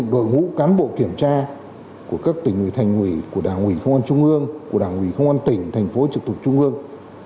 đảng ủy công an trung ương của đảng ủy công an tỉnh thành phố trực thuộc trung ương